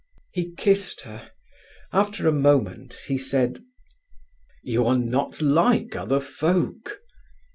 He kissed her. After a moment he said: "You are not like other folk.